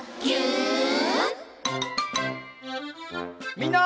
みんな。